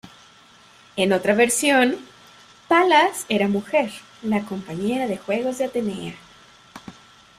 En otra versión, Palas era mujer, la compañera de juegos de Atenea.